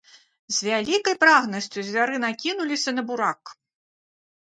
З вялікай прагнасцю звяры накінуліся на бурак.